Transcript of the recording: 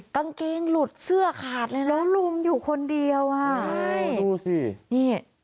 กางเกงหลุดเสื้อขาดแล้วนะลุ่มอยู่คนเดียวว่าดูสิ